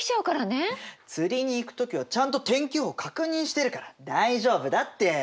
釣りに行く時はちゃんと天気予報確認してるから大丈夫だって！